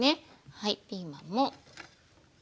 はいピーマンも。